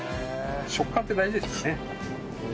食感って大事ですよね。